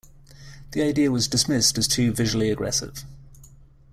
The idea was dismissed as too visually aggressive.